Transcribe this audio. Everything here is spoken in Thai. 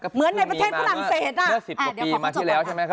เหมือนในประเทศกวาลังเศส